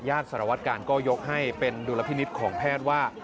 สารวัตการก็ยกให้เป็นดุลพินิษฐ์ของแพทย์ว่า